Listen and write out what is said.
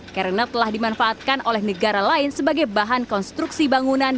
karena telah dimanfaatkan oleh negara lain sebagai bahan konstruksi bangunan